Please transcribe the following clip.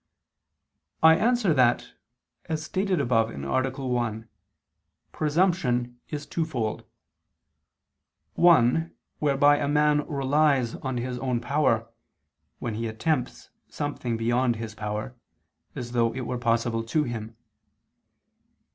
I answer that, As stated above (A. 1), presumption is twofold; one whereby a man relies on his own power, when he attempts something beyond his power, as though it were possible to him.